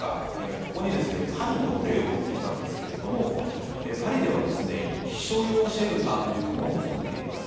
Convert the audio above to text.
ここに、パリの例を持ってきたんですけれどもパリでは避暑用シェルターというのを作っています。